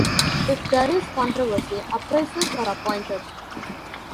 If there is controversy, appraisers are appointed.